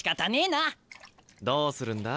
どうするんだ？